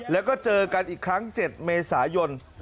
แล้วก็เจอกันอีกครั้ง๗เมษายน